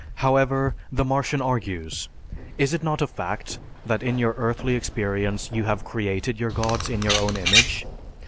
However, the Martian argues, "Is it not a fact that in your earthly experience, you have created your gods in your own image?